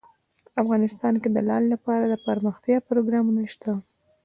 افغانستان کې د لعل لپاره دپرمختیا پروګرامونه شته.